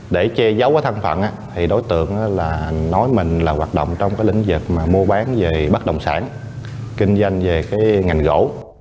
để che giấu thân phận đối tượng nói mình là hoạt động trong lĩnh vực mua bán về bất đồng sản kinh doanh về ngành gỗ